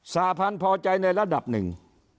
สาพันธ์พอใจในระดับหนึ่ง